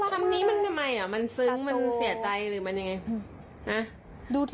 คำนี้มันทำไมมันซึ้งมันเสียใจหรือมันยังไง